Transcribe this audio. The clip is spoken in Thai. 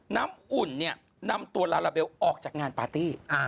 น้ำอุ่นเนี่ยนำตัวลาลาเบลออกจากงานปาร์ตี้